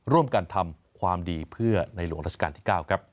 ร่วมกันทำความดีเพื่อในหลวงราชการที่๙ครับ